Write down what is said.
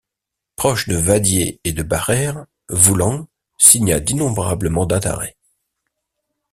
Proche de Vadier et de Barère, Vouland signa d’innombrables mandats d’arrêt.